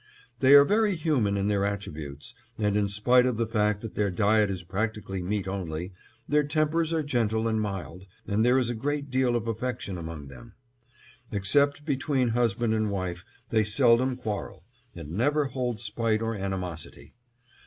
They are very human in their attributes, and in spite of the fact that their diet is practically meat only, their tempers are gentle and mild, and there is a great deal of affection among them. Except between husband and wife, they seldom quarrel; and never hold spite or animosity.